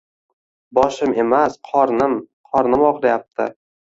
Boshim emas, qornim, qornim og‘riyapti